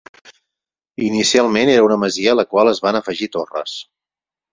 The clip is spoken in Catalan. Inicialment, era una masia a la qual es van afegir torres.